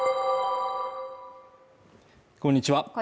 こんにちは